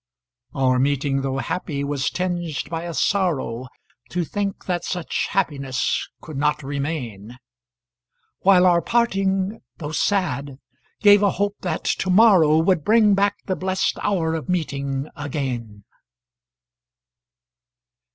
Our meeting, tho' happy, was tinged by a sorrow To think that such happiness could not remain; While our parting, tho' sad, gave a hope that to morrow Would bring back the blest hour of meeting again.